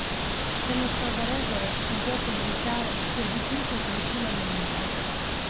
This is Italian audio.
Se non sfavorevole, un porto militare, per di più così vicino al nemico.